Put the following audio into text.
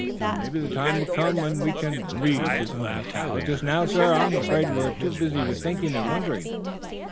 "Maybe the time will come when we can read," laughed Hal. "Just now, sir, I'm afraid we're too busy with thinking and wondering."